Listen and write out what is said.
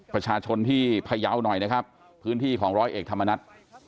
ประชาชนที่พยาวหน่อยนะครับพื้นที่ของร้อยเอกธรรมนัฐ